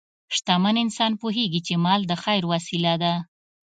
شتمن انسان پوهېږي چې مال د خیر وسیله ده.